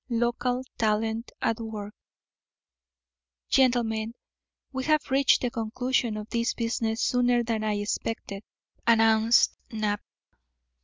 XYI LOCAL TALENT AT WORK "Gentlemen, we have reached the conclusion of this business sooner than I expected," announced Knapp.